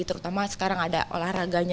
terutama sekarang ada olahraganya